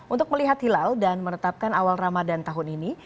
untuk melihat hilal dan menetapkan awal ramadan tahun ini